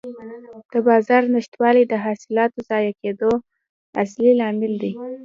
د بازار نشتوالی د حاصلاتو ضایع کېدو اصلي لامل دی.